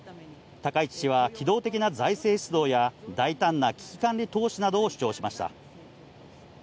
高市氏は、機動的な財政出動や、大胆な危機管理投資などを主張しました。